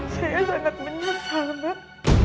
saya sangat menyesal mbak